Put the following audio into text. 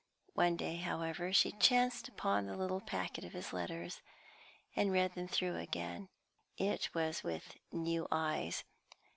One day, however, she chanced upon the little packet of his letters, and read them through again. It was with new eyes.